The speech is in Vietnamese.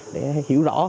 để hiểu rõ